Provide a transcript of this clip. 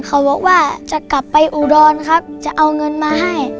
เขาบอกว่าจะกลับไปอุดรครับจะเอาเงินมาให้